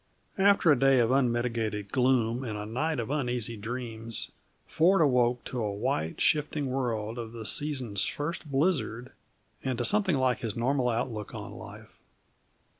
After a day of unmitigated gloom and a night of uneasy dreams, Ford awoke to a white, shifting world of the season's first blizzard, and to something like his normal outlook upon life.